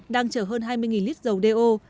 đang chở hơn hai mươi lít dầu đeo